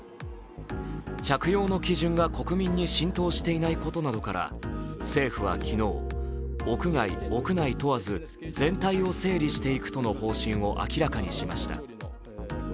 着用の基準が国民に浸透していないことなどから政府は昨日、屋外・屋内問わず全体を整理していくとの方針を明らかにしました。